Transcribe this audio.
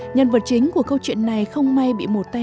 nhân vật chính của câu chuyện này không may bị một tay